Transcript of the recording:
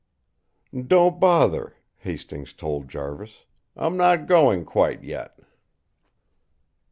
"Don't bother," Hastings told Jarvis. "I'm not going quite yet."